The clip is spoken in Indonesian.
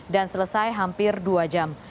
selesai hampir dua jam